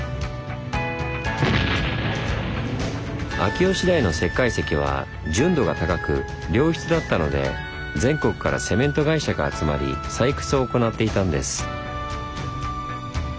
秋吉台の石灰石は純度が高く良質だったので全国からセメント会社が集まり採掘を行っていたんです。